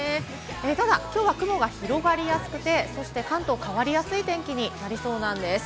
ただ今日は雲が広がりやすくて、関東は変わりやすい天気になりそうなんです。